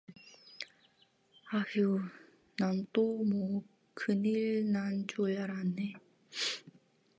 아휴, 난 또 뭐 큰일 난 줄 알았네